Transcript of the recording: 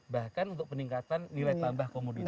bahkan untuk peningkatan nilai tambah komoditas